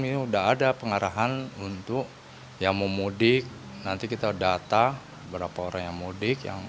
ini udah ada pengarahan untuk yang mau mudik nanti kita data berapa orang yang mudik yang